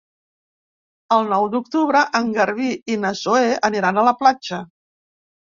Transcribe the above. El nou d'octubre en Garbí i na Zoè aniran a la platja.